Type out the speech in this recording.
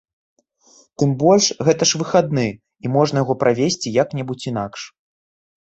Тым больш, гэта ж выхадны, і можна яго правесці як-небудзь інакш.